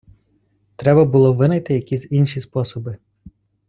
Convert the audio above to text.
Треба було винайти якісь інші способи.